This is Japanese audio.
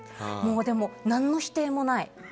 何の否定もない。